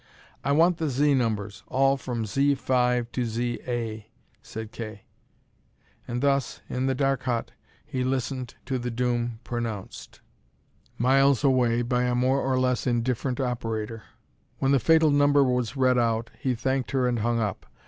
"I want the Z numbers. All from Z5 to ZA," said Kay. And thus, in the dark hut, he listened to the doom pronounced, miles away, by a more or less indifferent operator. When the fatal number was read out, he thanked her and hung up.